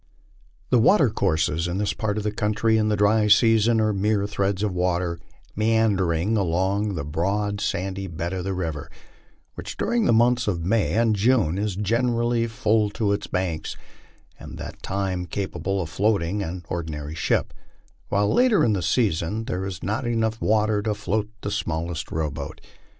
The watercourses in this part of the country in the dry season are mere threads of water meandering along the broad sandy bed of the river, which during the months of May and June is generally full to its banks, and at that time capable of floating an ordinary ship, while later in the season there is not enough water to float the smallest row boat.